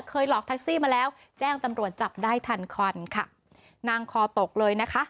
หลอกแท็กซี่มาแล้วแจ้งตำรวจจับได้ทันควันค่ะนั่งคอตกเลยนะคะ